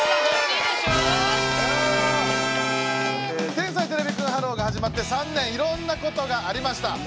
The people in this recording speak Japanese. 「天才てれびくんｈｅｌｌｏ，」がはじまって３年いろんなことがありました。